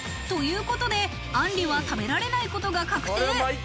ということで、あんりは食べられないことが確定。